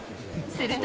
すると。